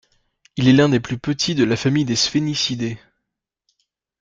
Il est un des plus petits de la famille des Spheniscidae.